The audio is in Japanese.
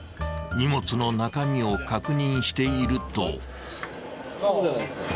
［荷物の中身を確認していると］